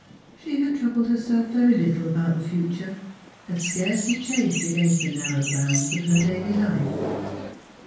She had troubled herself very little about the future; had scarcely chafed against the narrow bounds of her daily life.